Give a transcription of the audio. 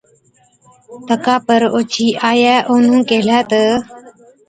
تڪا پر اوڇِي آئِيئَي اونهُون ڪيهلَي تہ،